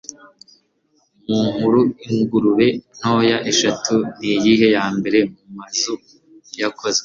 Mu Nkuru Ingurube Ntoya eshatu Niyihe Yambere Mumazu Yakozwe?